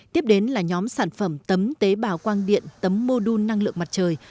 tiếp đến là nhóm sản phẩm tấm tế bào quang điện tấm mô đun năng lượng mặt trời